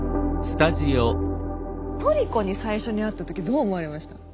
トリコに最初に会った時どう思われました？